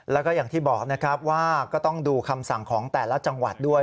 แล้วก็อย่างที่บอกนะครับว่าก็ต้องดูคำสั่งของแต่ละจังหวัดด้วย